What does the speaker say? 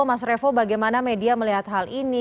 mas revo bagaimana media melihat hal ini